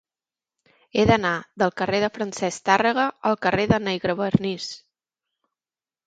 He d'anar del carrer de Francesc Tàrrega al carrer de Negrevernís.